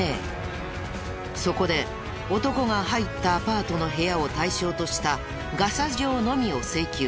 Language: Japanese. そこで男が入ったアパートの部屋を対象としたガサ状のみを請求。